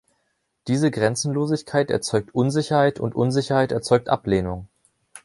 Diese Grenzenlosigkeit erzeugt Unsicherheit und Unsicherheit erzeugt Ablehnung.